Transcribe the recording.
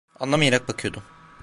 Anlamayarak bakıyordum.